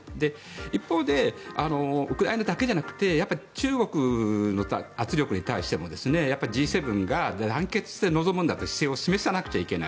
一方でウクライナだけじゃなくて中国の圧力に対してもＧ７が団結して臨むという姿勢を示さないといけない。